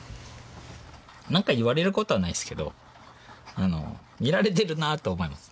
なんか言われることはないですけど見られてるなとは思います。